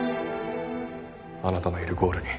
あなたのいるゴールに。